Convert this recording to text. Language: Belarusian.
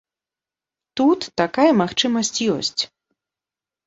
Тут такая магчымасць ёсць.